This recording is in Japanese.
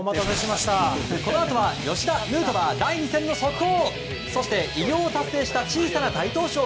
このあとは吉田、ヌートバー第２戦の速報。